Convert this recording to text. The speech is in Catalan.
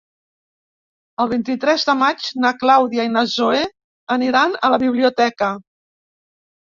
El vint-i-tres de maig na Clàudia i na Zoè aniran a la biblioteca.